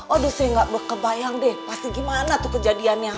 aduh saya gak kebayang deh pasti gimana tuh kejadiannya